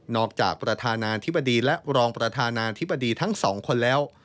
จากประธานาธิบดีและรองประธานาธิบดีทั้งสองคนแล้ว